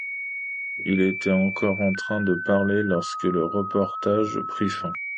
Ils étaient encore en train de parler lorsque le reportage prit fin.